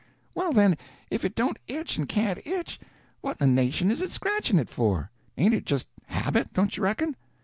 "Well, then, if it don't itch and can't itch, what in the nation is it scratching it for? Ain't it just habit, don't you reckon?"